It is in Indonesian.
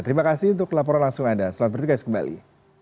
terima kasih untuk laporan langsung anda selamat bertugas kembali